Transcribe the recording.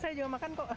saya juga makan kok